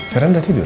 sekarang udah tidur